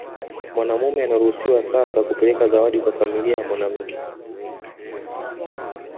Mwanaume anaruhusiwa sasa kupeleka zawadi kwa familia ya mwanamke